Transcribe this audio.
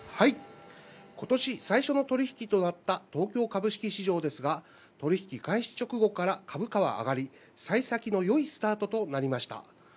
今年最初の取引となった東京株式市場ですが、取引開始直後から株価は上がり、幸先の良いスタートとなりました。